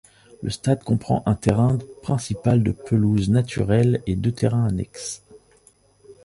Le stade comprend un terrain principal de pelouse naturelle et deux terrains annexes.